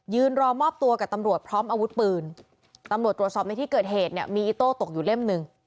รอมอบตัวกับตำรวจพร้อมอาวุธปืนตำรวจตรวจสอบในที่เกิดเหตุเนี่ยมีอิโต้ตกอยู่เล่มหนึ่ง